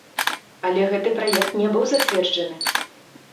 Але гэты праект не быў зацверджаны.